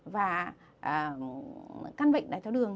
và căn bệnh đài tháo đường